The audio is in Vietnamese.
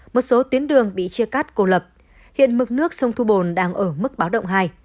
một số tuyến đường bị chia cắt cô lập hiện mực nước sông thu bồn đang ở mức báo động hai